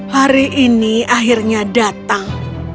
hari ini akhirnya datang